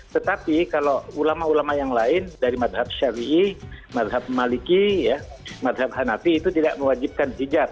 tetapi kalau ulama ulama yang lain dari masjid syawiyi masjid maliki masjid hanabi itu tidak mewajibkan hijab